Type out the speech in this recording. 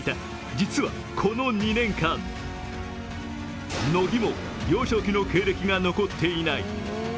実はこの２年間、乃木も幼少期の経歴が残っていない。